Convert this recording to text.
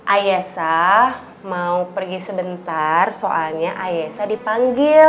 ayah elsa mau pergi sebentar soalnya ayah elsa dipanggil